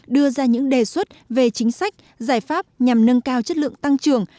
đưa ra những đề xuất về chính sách giải pháp nhằm nâng cao chất lượng tăng trưởng